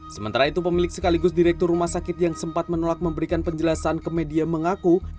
sementara itu pemilik sekaligus direktur rumah sakit yang sempat menolak memberikan penjelasan ke media mengaku